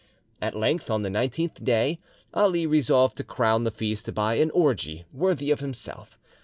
At length, on the nineteenth day, Ali resolved to crown the feast by an orgy worthy of himself.